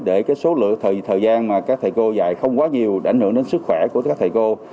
để cái số lượng thời gian mà các thầy cô dạy không quá nhiều đã ảnh hưởng đến sức khỏe của các thầy cô